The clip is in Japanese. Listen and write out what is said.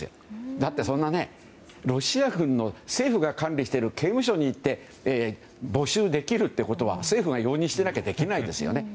だって、ロシア軍の政府が管理している刑務所に行って募集できるってことは政府が容認していなきゃできないですよね。